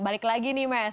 balik lagi nih mas